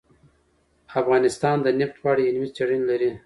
افغانستان د نفت په اړه علمي څېړنې لري.